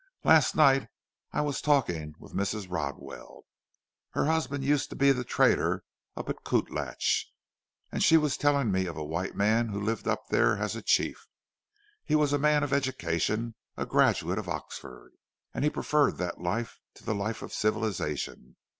Last night I was talking with Mrs. Rodwell. Her husband used to be the trader up at Kootlach, and she was telling me of a white man who lived up there as a chief. He was a man of education, a graduate of Oxford and he preferred that life to the life of civilization.